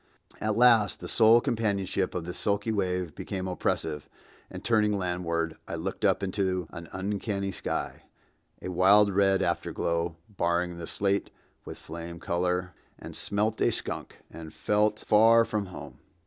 At last the sole companionship of this sulky wave became oppressive, and turning landward, I looked up into an uncanny sky—a wild red afterglow barring the slate with flame color—and smelt a skunk, and felt far from home.